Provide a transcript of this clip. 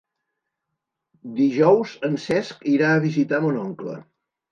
Dijous en Cesc irà a visitar mon oncle.